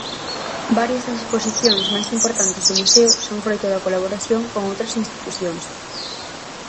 Varias das exposicións máis importantes do museo son froito da colaboración con outras institucións.